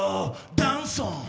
ダンソン！